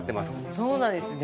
そうなんですね。